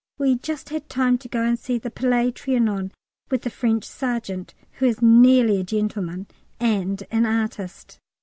We just had time to go and see the Palais Trianon with the French Sergeant (who is nearly a gentleman, and an artist).